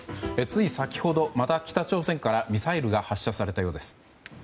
つい先ほど、また北朝鮮からミサイルが発射されたようです。